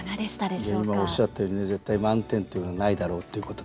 今おっしゃったように「絶対満点というのはないだろう」っていうことと。